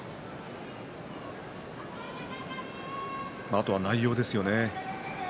あとは内容ですよね。